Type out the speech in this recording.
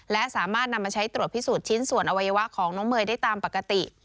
และสามารถนำมาใช้ตรวจพิสูจนชิ้นส่วนอวัยวะของน้องเมย์ได้ตามปกติ